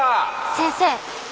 先生！